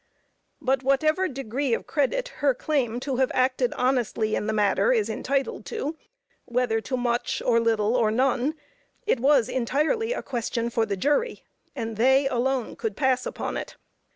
But whatever degree of credit her claim to have acted honestly in the matter is entitled to, whether to much, or little, or none, it was entirely a question for the jury, and they alone could pass upon it.